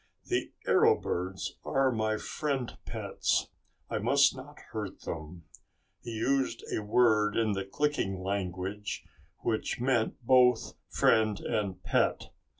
"The arrow birds are my friend pets, I must not hurt them." He used a word in the clicking language which meant both friend and pet.